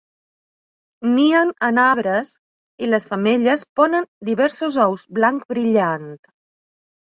Nien en arbres, i les femelles ponen diversos ous blanc brillant.